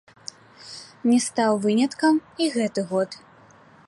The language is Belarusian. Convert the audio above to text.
Не стаў выняткам і гэты год.